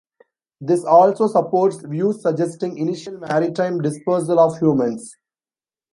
This also supports views suggesting initial maritime dispersal of humans.